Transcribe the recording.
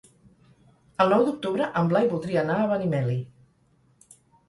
El nou d'octubre en Blai voldria anar a Benimeli.